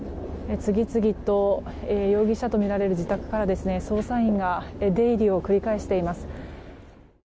次々と容疑者とみられる自宅から捜査員が出入りを繰り返しています。